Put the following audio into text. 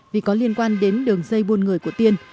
vì có liên quan đến đường dây buôn người của tiên